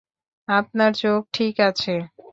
আপনার চোখ ঠিক আছে।